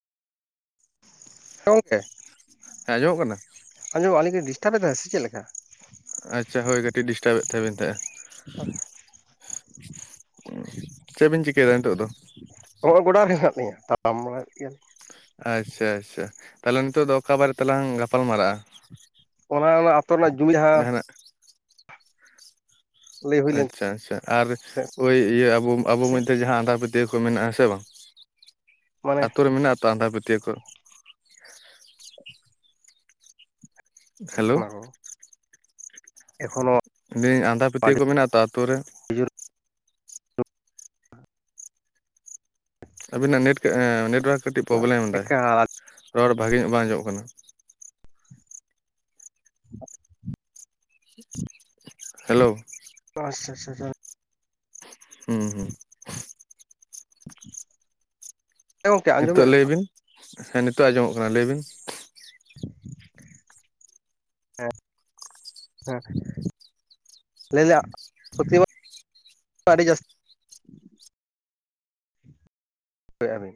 ᱦ [unintelligible] ᱜᱚᱝᱠᱮ ᱦᱮᱸ ᱟᱡᱚᱢᱚᱜ ᱠᱟᱱᱟ? ᱟᱸᱡᱚᱢ ᱟᱹᱞᱤᱧ ᱰᱤᱥᱴᱟᱵᱮᱫᱟ ᱥᱮ ᱪᱮᱫ ᱞᱮᱠᱟ? ᱟᱪᱪᱷᱟ ᱦᱳᱭ ᱠᱟᱹᱴᱤᱡ ᱰᱤᱥᱴᱟᱵᱮᱫ ᱛᱟᱹᱵᱮᱱ ᱛᱟᱦᱮᱸᱱᱟ᱾ ᱦ [unintelligible] ᱪᱮᱫ ᱵᱤᱱ ᱪᱤᱠᱟᱹᱭᱮᱫᱟ ᱱᱤᱛᱚᱜ ᱫᱚ? ᱱᱚᱜᱚᱭ ᱜᱚᱰᱟ ᱨᱮ ᱦᱮᱱᱟᱜ ᱞᱤᱧᱟᱹ [unintelligible] ᱟᱪᱪᱷᱟ ᱟᱪᱪᱷᱟ ᱛᱟᱦᱚᱞᱮ ᱱᱤᱛᱚᱜ ᱫᱚ ᱚᱠᱟ ᱵᱟᱨᱮ ᱛᱮᱞᱟᱝ ᱜᱟᱯᱟᱞ ᱢᱟᱨᱟᱜᱼᱟ? ᱚᱱᱟ ᱚᱱᱟ ᱟ ᱟᱹᱛᱩ ᱨᱮᱱᱟᱜ ᱡᱩᱢᱤᱫ ᱡᱟᱦᱟᱸ ᱡᱟᱦᱟᱱᱟᱜ ᱞᱟᱹᱭ ᱦᱩᱭ ᱞᱮᱱ ᱟᱪᱪᱷᱟ ᱟᱪᱪᱷᱟ ᱟᱨ ᱛᱟᱦᱮᱸᱫ ᱳᱭ ᱤᱭᱟᱹ ᱟᱵᱚ ᱟᱵᱚ ᱥᱮ ᱢᱚᱫᱫᱷᱮ ᱡᱟᱦᱟᱸ ᱟᱸᱫᱷᱟ ᱯᱟᱹᱛᱟᱹ [unintelligible] ᱠᱚ ᱢᱮᱱᱟᱜᱼᱟᱸ ᱥᱮ ᱵᱟᱝ ᱢᱟᱱᱮ ᱟᱛᱩ ᱨᱮ ᱢᱮᱱᱟᱜ-ᱟ ᱛᱚ ᱟᱸᱫᱷᱟ ᱯᱟᱹᱛᱭᱟᱹᱣ ᱠᱚ? ᱦᱮᱞᱳ ᱚᱱᱟ [unintelligible] ᱮᱠᱷᱚᱱᱚ [unintelligible] ᱟᱸᱫᱷᱟ ᱯᱟᱹᱛᱭᱟᱹᱣ ᱠᱚ ᱢᱮᱱᱟᱜ ᱛᱚ ᱟᱛᱳ ᱨᱮ? ᱡᱳᱨ ᱟᱵᱤᱱᱟᱜ ᱱᱮᱴ ᱱᱮᱴᱣᱟᱨᱠ ᱠᱟᱹᱴᱤᱡ ᱯᱨᱚᱵᱞᱮᱢᱫᱟᱭ ᱮᱠᱟᱞ ᱨᱚᱲ ᱵᱷᱟᱜᱮ ᱧᱚᱜ ᱵᱟᱝ ᱟᱡᱚᱢᱚᱜ ᱠᱟᱱᱟ [inaudible] ᱦᱮᱞᱳ ᱟᱪᱷᱟ ᱟᱪᱷᱟ ᱟᱪᱪᱷᱟ ᱦᱩᱸ ᱦᱩᱸ ᱜᱚᱝᱠᱮ ᱱᱤᱛᱳᱜ ᱟᱸᱡᱚᱢᱮᱫ ᱞᱟᱹᱭ ᱵᱤᱱ ᱦᱮᱸ ᱱᱤᱛᱳᱜ ᱟᱸᱡᱚᱢᱚᱜ ᱠᱟᱱᱟ ᱞᱟᱹᱭ ᱵᱤᱱ ᱦᱮᱸ ᱦᱮᱸᱜ [inaudible] [inaudible] [unintelligible]